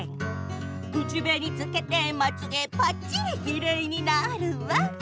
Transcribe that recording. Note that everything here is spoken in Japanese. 「口紅つけてまつげぱっちりきれいになるわ！」